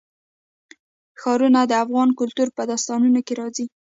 ښارونه د افغان کلتور په داستانونو کې راځي.